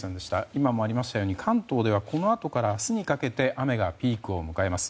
今もありましたように関東ではこのあとから明日にかけて雨がピークを迎えます。